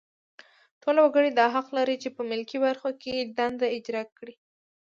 ټول وګړي دا حق لري چې په ملکي برخو کې دنده اجرا کړي.